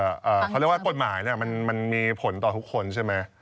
เขาเรียกว่ากฎหมายเนี่ยมันมีผลต่อทุกคนใช่ไหม